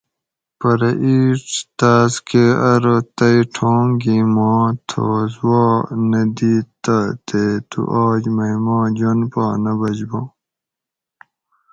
پرہ اِیڄ تاۤس کہ ارو تئ ٹھونگ گی ماں تھوس وا نہ دیت تہ تے تُو آج مئ ما جن پا نہ بچبا